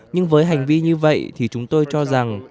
nhưng với hành vi như vậy thì chúng tôi cho rằng